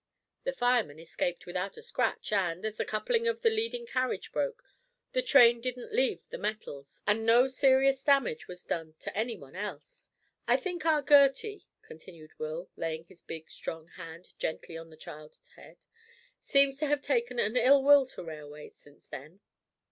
The fireman escaped without a scratch, and, as the coupling of the leading carriage broke, the train didn't leave the metals, and no serious damage was done to any one else. I think our Gertie," continued Will, laying his big strong hand gently on the child's head, "seems to have taken an ill will to railways since then."